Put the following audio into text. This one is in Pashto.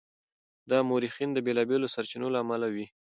دا د مورخینو د بېلابېلو سرچینو له امله وي.